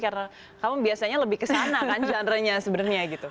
karena kamu biasanya lebih ke sana kan genre nya sebenarnya gitu